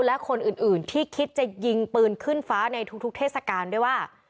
และคนอื่นที่คิดจะยิงปืนขึ้นฟ้าในทุกเทศกาลด้วยว่า